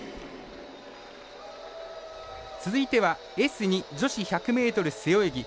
続いてはＳ２女子１００ｍ背泳ぎ。